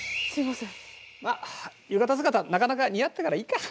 まあ浴衣姿なかなか似合ってたからいいか。